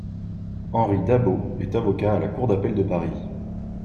Henri Dabot est avocat à la Cour d’appel de Paris.